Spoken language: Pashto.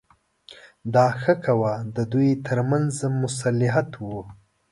دا ښه کوه د دوی ترمنځ مصلحت و.